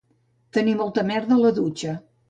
Tenir molta merda a la dutxa